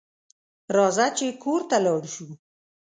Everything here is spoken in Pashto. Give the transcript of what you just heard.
راځه چې کور ته لاړ شو